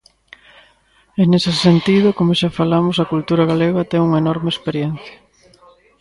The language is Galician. E nese sentido, como xa falamos, a cultura galega ten unha enorme experiencia.